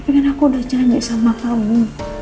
tapi kan aku udah janji sama kamu